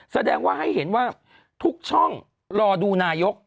แสดงว่าให้เห็นว่าทุกช่องรอดูนายก